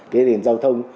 cái nền giao thông